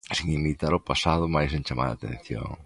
Sen imitar o pasado mais sen chamar a atención.